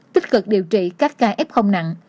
tích cực điều trị các ca f nặng